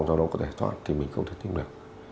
cho nó có thể thoát thì mình không thể tìm được